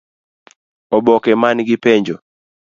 Oboke man gi penjo: